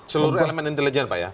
seluruh elemen intelijen pak ya